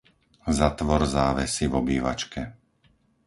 Zatvor závesy v obývačke.